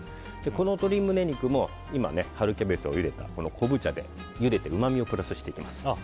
この鶏胸肉も今、春キャベツをゆでた昆布茶でゆでてうまみをプラスしていきます。